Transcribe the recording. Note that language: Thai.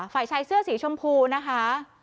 ฝ่ายชายเสื้อสีชมพูนะคะ